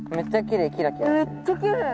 めっちゃきれい。